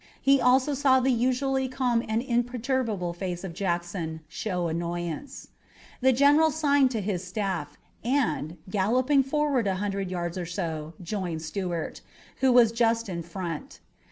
He also saw the usually calm and imperturbable face of Jackson show annoyance. The general signed to his staff, and, galloping forward a hundred yards or so, joined Stuart, who was just in front.